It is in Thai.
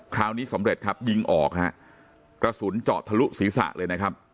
คราวนี้สำเร็จครับยิงออกฮะกระสุนเจาะทะลุศีรษะเลยนะครับ